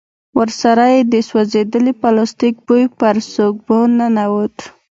ورسره يې د سوځېدلي پلاستيک بوی پر سپږمو ننوت.